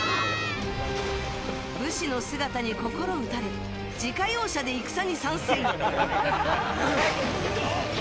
武士の姿に心打たれ自家用車で戦に参戦。